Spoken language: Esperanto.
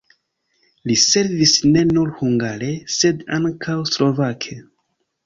Li servis ne nur hungare, sed ankaŭ slovake.